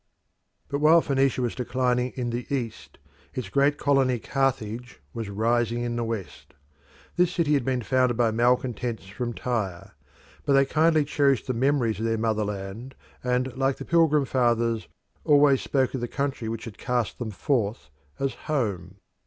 But while Phoenicia was declining in the East its great colony, Carthage, was rising in the West. This city had been founded by malcontents from Tyre. But they kindly cherished the memories of their motherland, and, like the Pilgrim Fathers, always spoke of the country which had cast them forth as "Home."